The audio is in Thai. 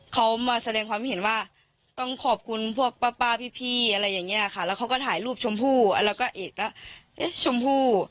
เขามาแสดงความเห็นว่าต้องขอบคุณพวกป้าพี่อะไรอย่างนี้ค่ะแล้วเขาก็ถ่ายรูปชมพู่แล้วก็เอกว่าเอ๊ะชมพู่